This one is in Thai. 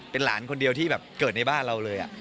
เป็นหลานคนเดียวที่แบบเกิดในบ้านเราเลย